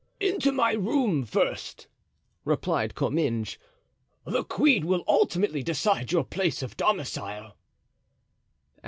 "Into my room first," replied Comminges; "the queen will ultimately decide your place of domicile."